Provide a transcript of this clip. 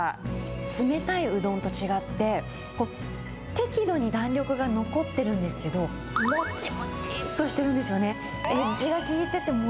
冷たいうどんと違って、適度に弾力が残ってるんですけど、もちもちっとしてるんですよね。